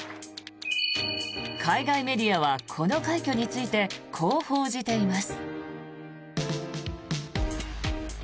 海外メディアはこの快挙についてこう報じています。